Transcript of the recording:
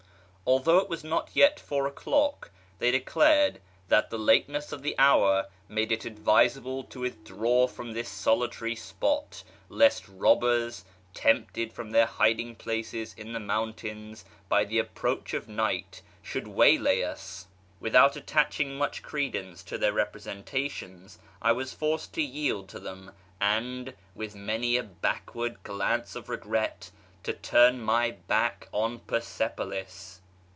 Although it was not yet four o'clock, they declared that the lateness of the hour made it advisable to withdraw from this solitary spot, lest robbers, tempted from their hiding places in the mountains by the approach of night, should waylay us. Without attaching much credence to their representations I was forced to yield to them, and, with many a backward glance of regret, to turn my back on Persepolis.